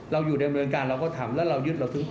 เราอยู่ดำเนินการเราก็ถามแล้วเรายึดเราถึงขอบ